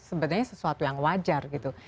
sebenarnya sesuatu yang wajar gitu